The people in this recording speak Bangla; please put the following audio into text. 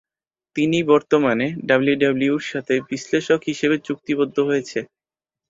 তিনি বর্তমানে ডাব্লিউডাব্লিউইর সাথে বিশ্লেষক হিসেবে চুক্তিবদ্ধ হয়েছে।